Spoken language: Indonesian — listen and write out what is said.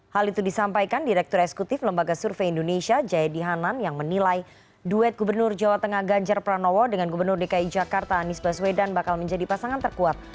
hal itu disampaikan direktur eksekutif lembaga survei indonesia jayadi hanan yang menilai duet gubernur jawa tengah ganjar pranowo dengan gubernur dki jakarta anies baswedan bakal menjadi pasangan terkuat